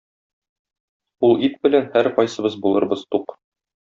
Ул ит белән һәркайсыбыз булырбыз тук!